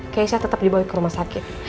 keisha tetap dibawa ke rumah sakit